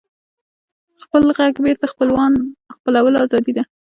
خپل غږ بېرته خپلول ازادي ده.